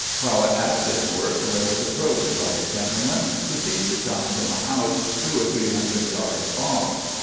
While at this work, I was approached by a gentleman, who seemed to come from a house two or three hundred yards off.